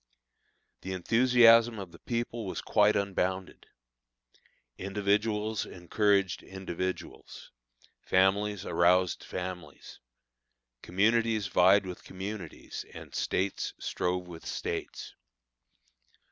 The enthusiasm of the people was quite unbounded. Individuals encouraged individuals; families aroused families; communities vied with communities, and States strove with States.